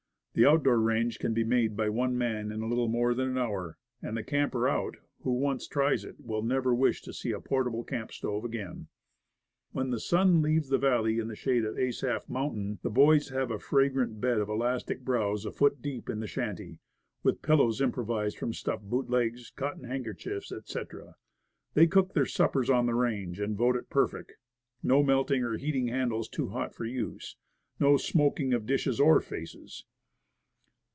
The out door range The Cooking Range, as can be made by one man in little more than an hour, and the camper out, who once tries it, will never wish to see a "portable camp stove" again. When the sun leaves the valley in the shade of OUT DOOR COOKING RANGE. Asaph Mountain, the boys have a fragrant bed of elastic browse a foot deep in the shanty, with pillows improvised from stuffed boot legs, cotton handker chiefs, etc. They cook their suppers on the range, 86 Woodcraft and vote it perfect, no melting or heating handles too hot for use, and no smoking of dishes, or faces.